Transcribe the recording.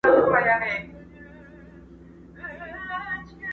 نه خوړلي نه لیدلي پوروړي؛